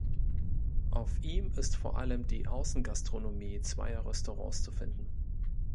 Auf ihm ist vor allem die Außengastronomie zweier Restaurants zu finden.